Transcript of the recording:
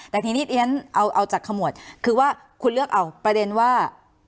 แต่ทีนี้เรียนเอาจากขมวดคือว่าคุณเลือกเอาประเด็นว่า